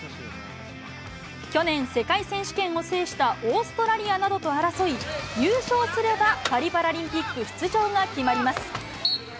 去年、世界選手権を制したオーストラリアなどと争い、優勝すれば、パリパラリンピック出場が決まります。